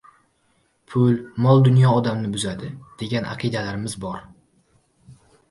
Pul, mol-dunyo odamni buzadi, degan aqidalarimiz bor?